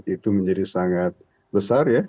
itu menjadi sangat besar ya